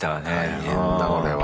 大変だこれは。